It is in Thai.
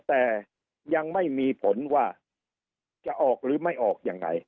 แต่ยังไม่มีผลว่าจะออกหรือไม่ออกยังไง